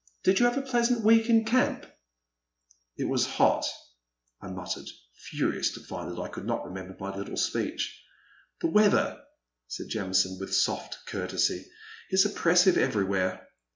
Did you have a pleasant week in camp ?''" It was hot," I muttered, furious to find that I could not remember my little speech. " The weather," said Jamison, with soft cour tesy, '* is oppressive everywhere.